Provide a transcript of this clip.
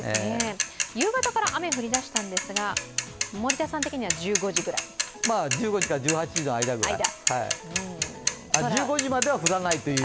夕方から雨が降りだしたんですが、森田さん的には１５時から１８時ぐらいの間ぐらい。